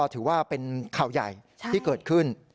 ถือว่าเป็นข่าวใหญ่ที่เกิดขึ้น